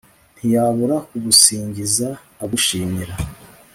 ntiyabura kugusingiza agushimira